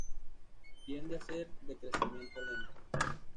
Tiende a ser de crecimiento lento.